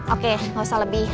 oke nggak usah lebih